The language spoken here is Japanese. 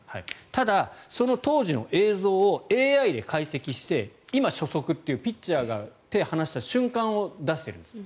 ただ、その当時の映像をＡＩで解析して今、初速というピッチャーが手を離した瞬間を出してるんです。